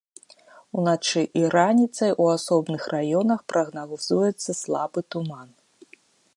Уначы і раніцай у асобных раёнах прагназуецца слабы туман.